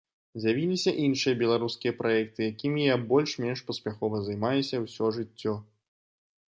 З'явіліся іншыя беларускія праекты, якімі я больш-менш паспяхова займаюся ўсё жыццё.